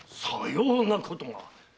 さようなことが！